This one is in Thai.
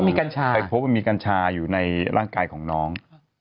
ไปพบว่ามีกันชาอยู่ในร่างกายของน้อง